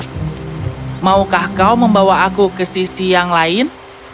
tapi maukah kau membawa aku ke sisi yang lain